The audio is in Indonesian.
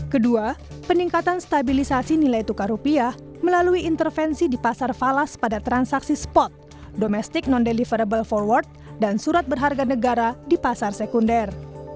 kedua peningkatan stabilisasi nilai tukar rupiah melalui intervensi di pasar falas pada transaksi spot domestic non deliverable forward dan surat berharga negara di pasar sekunder